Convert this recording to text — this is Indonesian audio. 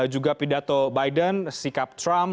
juga pidato biden sikap trump